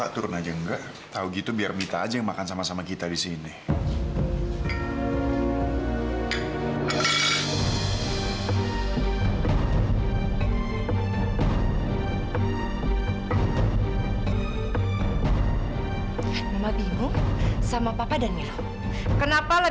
terus kamu mau apa